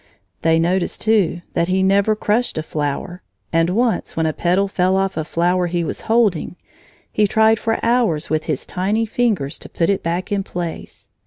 They noticed, too, that he never crushed a flower, and once, when a petal fell off a flower he was holding, he tried for hours with his tiny fingers to put it back in place.